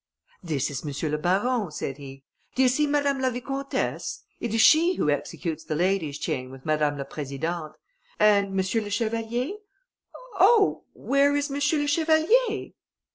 "This is M. le Baron," said he, "do you see Madame la Vicomtesse? it is she who executes the lady's chain with Madame la Présidente; and M. le Chevalier? Oh! where is M. le Chevalier?"